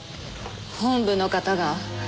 本部の方が。